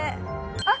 あっ！